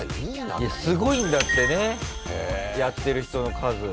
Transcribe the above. いやすごいんだってねやってる人の数。